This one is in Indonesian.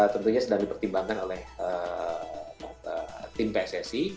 tentunya sedang dipertimbangkan oleh tim pssi